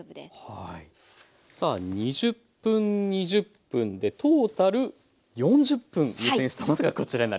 さあ２０分２０分でトータル４０分湯煎したものがこちらになります。